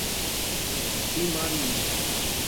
Imaruí